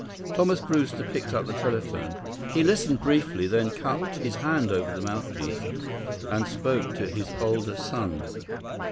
Thomas Brewster picked up the telephone. He listened briefly, then cupped his hand over the mouthpiece and spoke to his older son.